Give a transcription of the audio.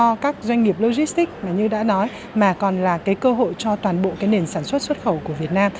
cho các doanh nghiệp logistics mà như đã nói mà còn là cái cơ hội cho toàn bộ cái nền sản xuất xuất khẩu của việt nam